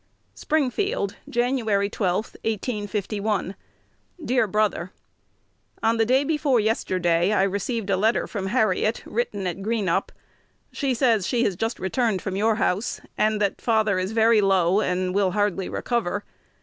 Springfield, Jan. 12,1851. Dear Brother, On the day before yesterday I received a letter from Harriet, written at Greenup. She says she has just returned from your house, and that father is very low, and will hardly recover.